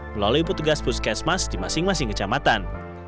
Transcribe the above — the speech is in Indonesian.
melalui petugas puskesmas di masing masing kecamatan